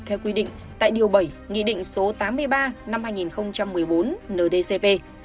theo quy định tại điều bảy nghị định số tám mươi ba năm hai nghìn một mươi bốn ndcp